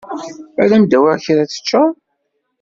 Ad m-d-awiɣ kra ad t-teččeḍ.